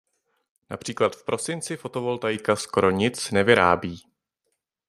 Například v prosinci fotovoltaika skoro nic nevyrábí.